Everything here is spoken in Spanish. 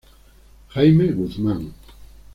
Jaime Guzmán.